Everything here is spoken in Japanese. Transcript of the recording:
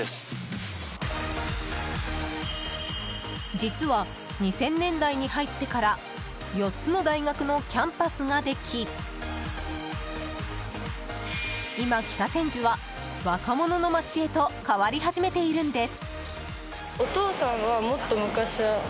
実は２０００年代に入ってから４つの大学のキャンパスができ今、北千住は若者の街へと変わり始めているんです。